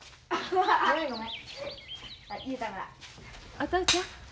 お父ちゃん。